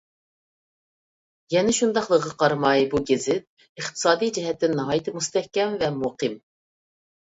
يەنە شۇنداقلىقىغا قارىماي، بۇ گېزىت ئىقتىسادىي جەھەتتىن ناھايىتى مۇستەھكەم ۋە مۇقىم.